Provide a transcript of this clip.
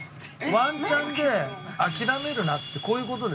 ワンチャンで諦めるなってこういう事ですね？